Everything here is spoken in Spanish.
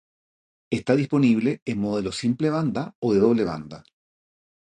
Está disponible en modelo simple banda o de doble banda.